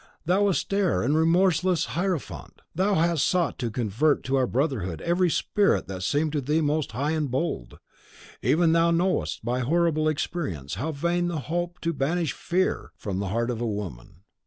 Thou austere and remorseless Hierophant, thou who hast sought to convert to our brotherhood every spirit that seemed to thee most high and bold, even thou knowest, by horrible experience, how vain the hope to banish FEAR from the heart of woman.